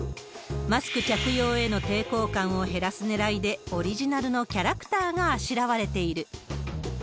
マスク着用への抵抗感を減らすねらいで、オリジナルのキャラクターがあしらわれている。